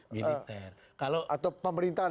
militer atau pemerintahan